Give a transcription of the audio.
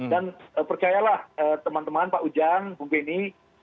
dan percayalah teman teman pak ujang bang benny